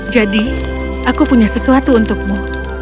jadi aku punya sesuatu untukmu